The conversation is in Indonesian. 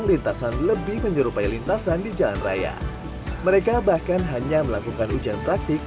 lintasan lebih menyerupai lintasan di jalan raya mereka bahkan hanya melakukan ujian praktik